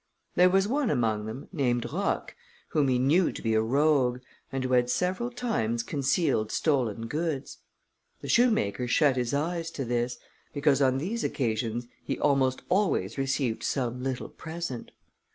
There was one among them, named Roch, whom he knew to be a rogue, and who had several times concealed stolen goods. The shoemaker shut his eyes to this, because on these occasions he almost always received some little present.